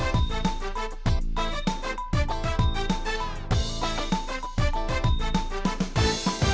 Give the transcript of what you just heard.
ยันทียังไม่เป่ายิงชุบ